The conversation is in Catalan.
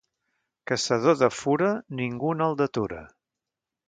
Caçador de fura, ningú no el detura.